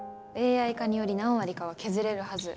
ＡＩ化により何割かは削れるはず。